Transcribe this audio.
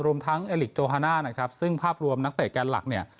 รวมทั้งเอลิกโจฮาน่านะครับซึ่งภาพรวมนักเตะแกนหลักเนี่ย